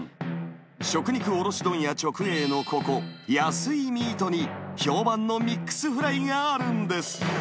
食肉卸問屋直営のここ、やすいみーとに、評判のミックスフライがあるんです。